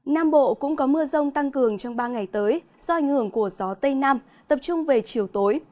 nam bộ cũng có mưa rông tăng cường trong ba ngày tới do ảnh hưởng của gió tây nam tập trung về chiều tối